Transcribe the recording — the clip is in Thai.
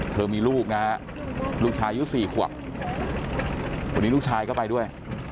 เธอมีลูกนะลูกชายอายุ๔ขวบวันนี้ลูกชายก็ไปด้วย